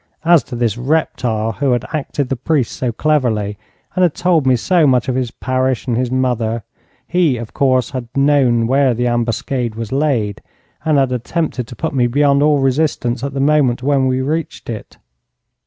As to this reptile, who had acted the priest so cleverly and had told me so much of his parish and his mother, he, of course, had known where the ambuscade was laid, and had attempted to put me beyond all resistance at the moment when we reached it.